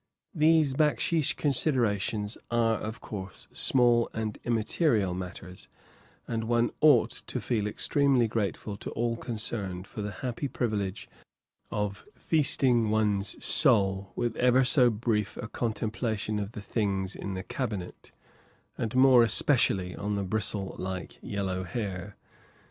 These backsheesh considerations are, of course, small and immaterial matters, and one ought to feel extremely grateful to all concerned for the happy privilege of feasting one's soul with ever so brief a contemplation of the things in the cabinet, and more especially on the bristle like yellow hair.